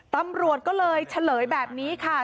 ตำรวจก็เลยเฉลยแบบนี้ค่ะ